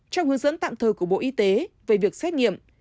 trong hướng dẫn tạm thời của bộ y tế về việc xét nghiệm